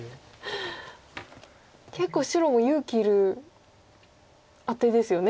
結構白も勇気いるアテですよね